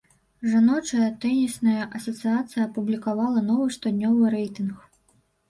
Жаночая тэнісная асацыяцыя апублікавала новы штотыднёвы рэйтынг.